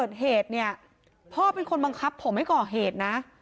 เกิดเหตุเนี่ยพ่อเป็นคนบังคับผมให้ก่อเหตุนะ